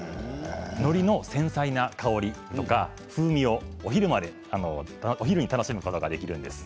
のりの繊細な香りとか風味をお昼までお昼に楽しむことができるんです。